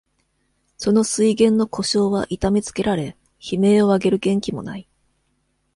その水源の湖沼は痛めつけられ、悲鳴を上げる元気も無い。